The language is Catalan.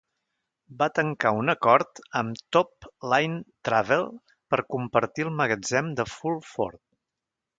Va tancar un acord amb Top Line Travel per compartir el magatzem de Fulford.